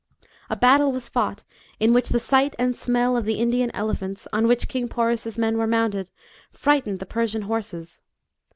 A battle was fought, in which the sight and smell of the Indian elephants, on which King Porus's men were mounted, frightened the Persian horses.